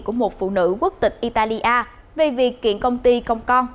của một phụ nữ quốc tịch italia về việc kiện công ty con con